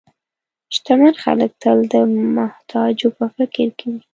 شتمن خلک تل د محتاجو په فکر کې وي.